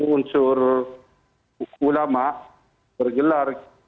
unsur ulama bergelar